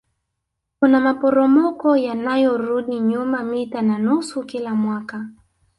Kuna maporomoko yanayorudi nyuma mita na nusu kila mwaka